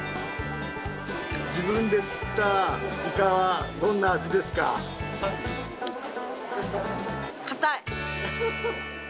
自分で釣ったイカはどんな味硬い。